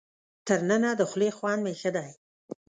تر ننه د خولې خوند مې ښه دی.